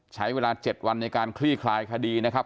ใช้เวลา๗วันในการคลี่คลายคดีนะครับ